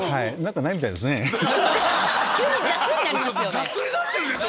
雑になってるでしょ！